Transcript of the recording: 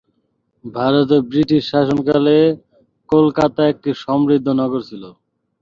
ভারতে ব্রিটিশ শাসনকালে, কলকাতা একটি সমৃদ্ধ নগর ছিল।